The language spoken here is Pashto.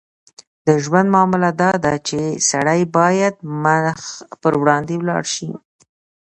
د ژوند معامله داده چې سړی باید مخ پر وړاندې ولاړ شي.